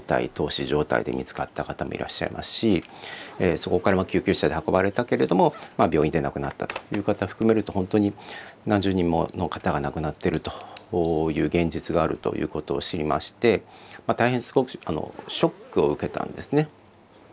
そこから救急車で運ばれたけれども病院で亡くなったという方を含めると本当に何十人もの方が亡くなってるという現実があるということを知りまして大変ショックを受けたんですね。